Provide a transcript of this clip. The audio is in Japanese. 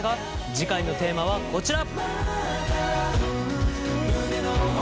次回のテーマはこちら。